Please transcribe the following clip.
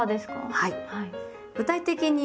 はい。